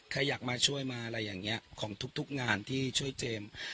ใครอยากมาช่วยมาอะไรอย่างนี้ของทุกงานที่ช่วยเจมส์